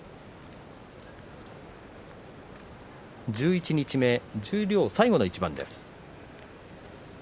十一日目、十両最後の一番。